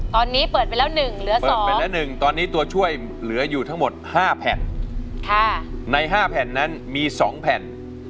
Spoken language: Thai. ตอนนี้เปิดไปแล้ว๑เหลือ๒แผ่นละ๑ตอนนี้ตัวช่วยเหลืออยู่ทั้งหมด๕แผ่นใน๕แผ่นนั้นมี๒แผ่น